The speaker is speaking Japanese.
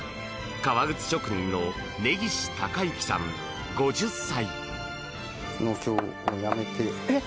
革靴職人の根岸貴之さん、５０歳。